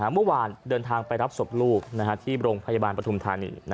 เมื่อวานเดินทางไปรับศพลูกที่โรงพยาบาลปฐุมธานี